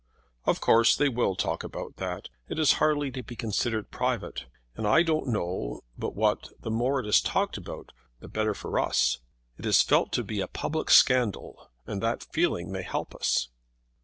"Of course they will talk about that. It is hardly to be considered private. And I don't know but what the more it is talked about the better for us. It is felt to be a public scandal, and that feeling may help us."